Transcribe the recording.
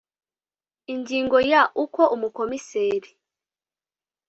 ingingo ya uko umukomiseri